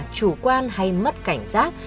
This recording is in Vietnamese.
chủ quan hay mất cảnh giác